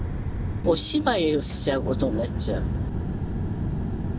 お芝居をしちゃうことになっちゃう。